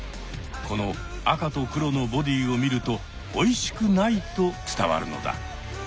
この赤と黒のボディーを見るとおいしくないと伝わるのだ。